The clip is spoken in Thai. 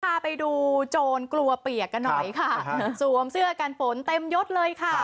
พาไปดูโจรกลัวเปียกกันหน่อยค่ะสวมเสื้อกันฝนเต็มยดเลยค่ะ